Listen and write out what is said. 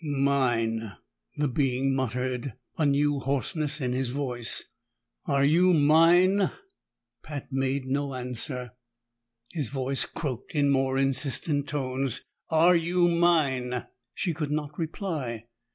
"Mine!" the being muttered, a new hoarseness in his voice. "Are you mine?" Pat made no answer; his voice croaked in more insistent tones. "Are you mine?" She could not reply.